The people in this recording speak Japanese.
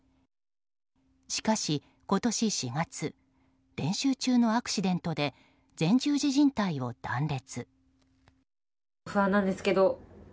しかし今年４月練習中のアクシデントで前十字じん帯を断裂。